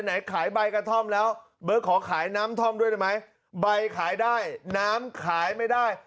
ไหนขายใบกระท่อมแล้วเบิร์ตขอขายน้ำท่อมด้วยได้ไหมใบขายได้น้ำขายไม่ได้